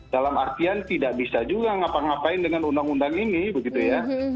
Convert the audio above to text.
dalam artian tidak bisa juga ngapa ngapain dengan undang undang ini begitu ya